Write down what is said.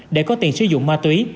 để có tiền sử dụng ma túy